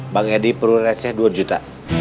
bang edi perlu receh dua juta